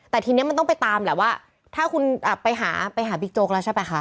แต่ทีนี้มันต้องไปตามแหละว่าถ้าคุณไปหาไปหาบิ๊กโจ๊กแล้วใช่ป่ะคะ